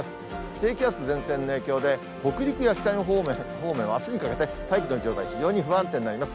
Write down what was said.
低気圧、前線の影響で、北陸や北日本方面は、あすにかけて大気の状態、非常に不安定になります。